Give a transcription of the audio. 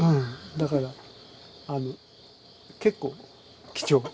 だから結構貴重。